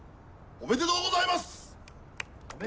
おめでとうございます！